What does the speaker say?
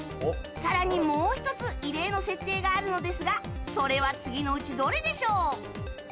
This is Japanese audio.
更にもう１つ異例の設定があるんですがそれは次のうちどれでしょう。